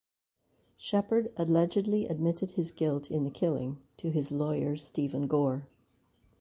Shepherd allegedly admitted his guilt in the killing to his lawyer Steven Gore.